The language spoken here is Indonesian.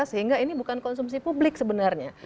sehingga ini bukan konsumsi publik sebenarnya